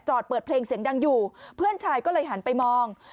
เปิดเพลงเสียงดังอยู่เพื่อนชายก็เลยหันไปมอง